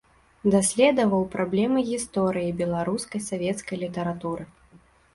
Даследаваў праблемы гісторыі беларускай савецкай літаратуры.